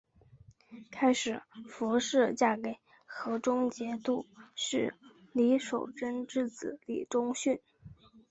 开始符氏嫁给河中节度使李守贞之子李崇训。